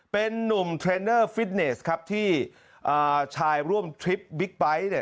เป็นนุ่มเทรนเนอร์ฟิตเนสครับที่ชายร่วมทริปบิ๊กไบท์เนี่ย